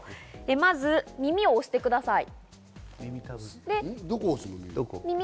まず耳を押してください。